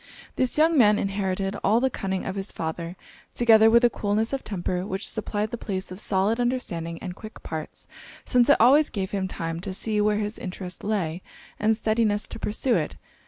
This young man inherited all the cunning of his father, together with a coolness of temper which supplied the place of solid understanding and quick parts; since it always gave him time to see where his interest lay, and steadiness to pursue it.